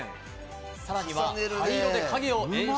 さらには灰色で影を演出。